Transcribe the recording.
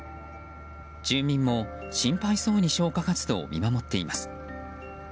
住民も心配そうに消火活動を見守っています。